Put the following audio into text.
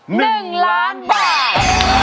หนึ่งล้านบาท